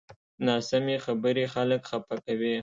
ناسمې خبرې خلک خفه کوي